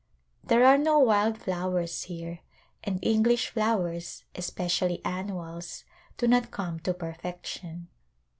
There are no wild flowers here, and English flow ers, especially annuals, do not come to perfection.